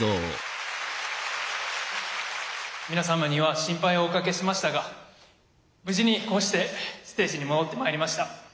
皆様には心配をおかけしましたが無事にこうしてステージに戻ってまいりました。